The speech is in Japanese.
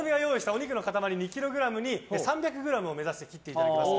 およそ２ｋｇに３００ｇを目指して切っていただきます。